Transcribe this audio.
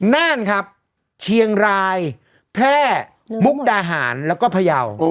น่านครับเชียงรายแพร่มุกดาหารแล้วก็พยาว